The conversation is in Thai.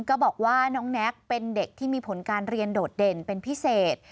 ก็บอกว่าน้องแน็กเป็นเด็กที่มีผลการเรียนโดดเด่นเป็นพิเศษ